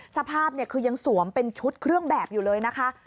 สภาพเนี่ยคือยังสวมเป็นชุดเครื่องแบบอยู่เลยนะคะ